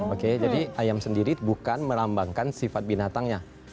oke jadi ayam sendiri bukan melambangkan sifat binatangnya